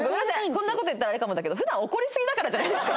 こんな事言ったらあれかもだけど普段怒りすぎだからじゃないんですか？